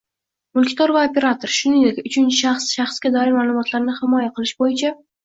Mulkdor va operator, shuningdek uchinchi shaxs shaxsga doir ma’lumotlarni himoya qilish bo‘yicha